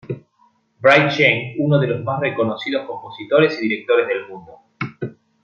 Bright Sheng, uno de los más reconocidos compositores y directores del mundo.